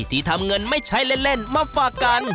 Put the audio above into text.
ที่ทำเงินไม่ใช้เล่นมาฝากกัน